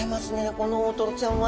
この大トロちゃんは。